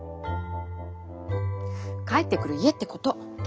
帰ってくる家ってこと。